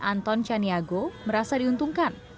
anton caniago merasa diuntungkan